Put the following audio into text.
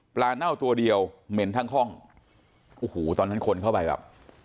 เน่าตัวเดียวเหม็นทั้งห้องโอ้โหตอนนั้นคนเข้าไปแบบ